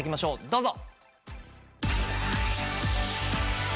どうぞ。